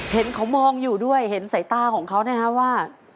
เห็นเขามองอยู่ด้วยเห็นสายตาของเขานะครับว่า